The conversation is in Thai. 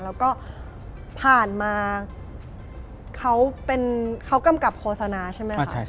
แล้วก็ผ่านมาเขากำกับโฆษณาใช่ไหมคะ